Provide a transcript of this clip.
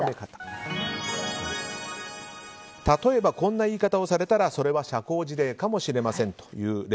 例えば、こんな言い方をされたらそれは社交辞令かもしれません。